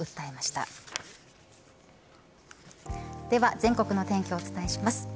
では全国の天気をお伝えします。